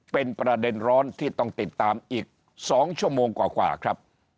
เป็นประเด็นร้อนที่ต้องติดตามอีก๒ชั่วโมงกว่าครับ